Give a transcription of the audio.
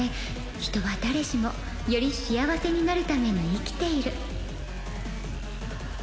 人は誰しもより幸せになるために生きている